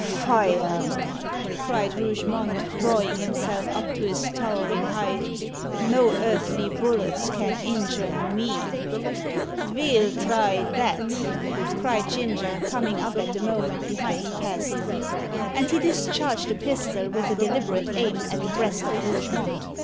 "Fire!" cried Rougemont, drawing himself up to his towering height. "No earthly bullets can injure me." "Ve'll try that!" cried Ginger, coming up at the moment behind Paston. And he discharged a pistol, with a deliberate aim, at the breast of Rougemont.